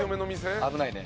危ないね。